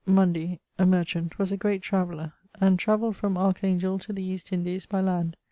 Munday, a merchant, was a great traveller, and travelled from Archangel to the East Indies by land.